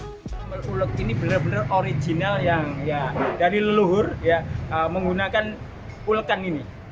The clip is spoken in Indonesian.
sambal uleg ini benar benar original yang dari leluhur menggunakan ulekan ini